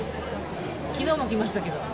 きのうも来ましたけど。